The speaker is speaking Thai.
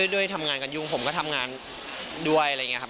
ด้วยทำงานกันยุ่งผมก็ทำงานด้วยอะไรอย่างนี้ครับ